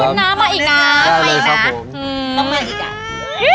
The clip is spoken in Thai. ขอบคุณนะมาอีกนะได้เลยขอบคุณ